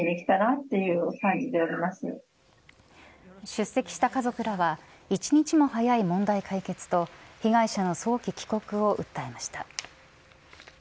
出席した家族らは１日も早い問題解決と被害者の早期帰国を訴えました。